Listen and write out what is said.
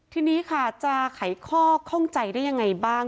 ทีนี้ค่ะจะไขข้อข้องใจได้ยังไงบ้าง